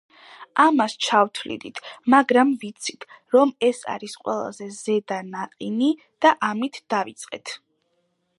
ამას ჩავთვლიდით, მაგრამ ვიცით, რომ ეს არის ყველაზე ზედა ნაყინი და ამით დავიწყეთ.